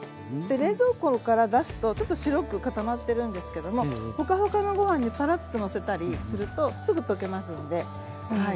冷蔵庫から出すとちょっと白く固まってるんですけどもホカホカのご飯にパラッとのせたりするとすぐとけますのではい。